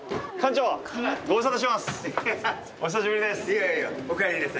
お久しぶりです。